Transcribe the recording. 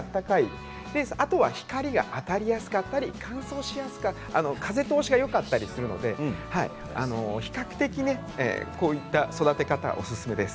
あとは光が当たりやすかったり風通しがよかったりするので比較的こういう育て方おすすめです。